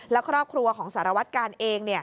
แล้วครอบครัวของสารวัตกาลเอง